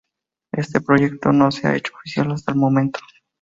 Este proyecto no se ha hecho oficial hasta el momento.